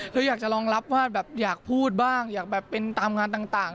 คืออยากจะรองรับว่าแบบอยากพูดบ้างอยากแบบเป็นตามงานต่าง